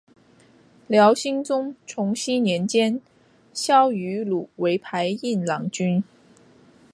辽兴宗重熙年间萧迂鲁为牌印郎君。